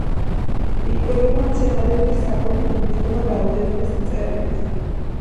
იკვებება მცენარეული საკვებით, უმნიშვნელო რაოდენობით მწერებით.